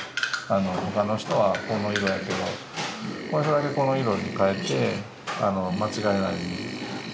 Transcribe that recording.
他の人はこの色やけどこの人だけこの色に変えて間違えないように。